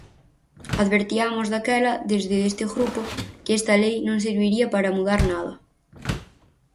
Advertiamos daquela desde este grupo que esta lei non serviría para mudar nada.